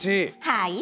はい。